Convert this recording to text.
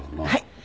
はい。